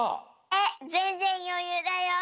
えっぜんぜんよゆうだよ。